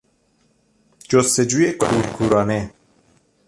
جستجوی کورکورانه